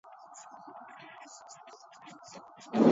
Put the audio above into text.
juma hili katika makala yetu tutaangazia